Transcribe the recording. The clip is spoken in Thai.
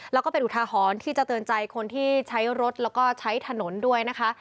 แล้วก็เป็นอุทาหรณ์ที่จะเตือนใจคนที่ใช้รถแล้วก็ใช้ถนนด้วยนะคะ